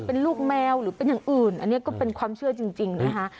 เป็นลูกแมวหรือเป็นอย่างอื่นอันนี้ก็เป็นความเชื่อจริงนะคะ